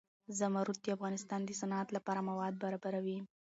زمرد د افغانستان د صنعت لپاره مواد برابروي.